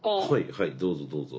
はいどうぞどうぞ。